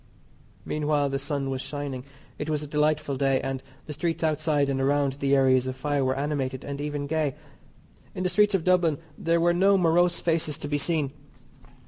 Meanwhile the sun was shining. It was a delightful day, and the streets outside and around the areas of fire were animated and even gay. In the streets of Dublin there were no morose faces to be seen.